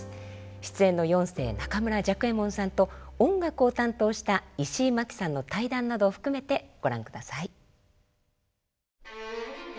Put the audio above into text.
出演の四世中村雀右衛門さんと音楽を担当した石井眞木さんの対談などを含めてご覧ください。